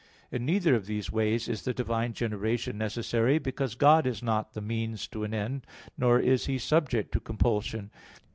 In neither of these ways is the divine generation necessary; because God is not the means to an end, nor is He subject to compulsion.